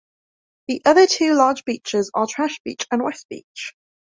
The other two large beaches are Trash Beach and West Beach.